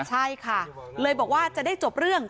ใช่ค่ะเลยบอกว่าจะได้จบเรื่อง